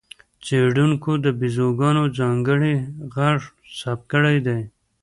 څېړونکو د بیزوګانو ځانګړی غږ ثبت کړی دی.